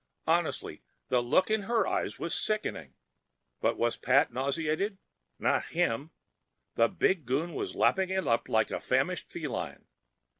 Honestly, the look in her eyes was sickening. But was Pat nauseated? Not he! The big goon was lapping it up like a famished feline.